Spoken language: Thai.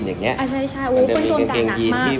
เหมือนใส่กางเกงกางเงียนแบบเนี้ย